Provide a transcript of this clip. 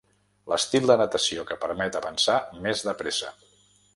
L'estil de natació que permet avançar més de pressa.